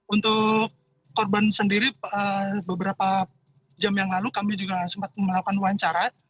untuk korban sendiri beberapa jam yang lalu kami juga sempat melakukan wawancara